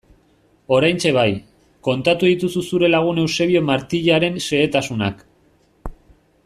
Oraintxe bai, kontatu dituzu zure lagun Eusebio Martijaren xehetasunak...